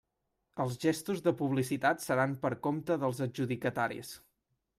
Els gestos de publicitat seran per compte dels adjudicataris.